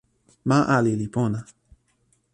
ma ali li pona.